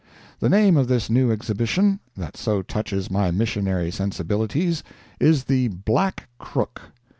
The name of this new exhibition that so touches my missionary sensibilities, is the "Black Crook."